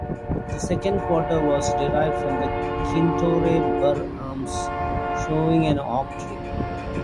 The second quarter was derived from the Kintore burgh arms, showing an oak tree.